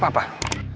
buat apa pak